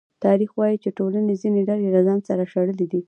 تاریخ وايي چې ټولنې ځینې ډلې له ځانه شړلې دي.